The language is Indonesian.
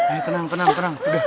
eh tenang tenang tenang